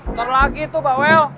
ntar lagi tuh mbak wel